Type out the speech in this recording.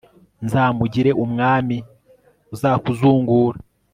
nzamugire umwami uzakuzungura